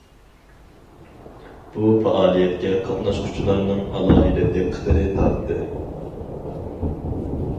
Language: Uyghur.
بۇ پائالىيەتكە قاتناشقۇچىلارنىڭ ئالاھىدە دىققىتىنى تارتتى .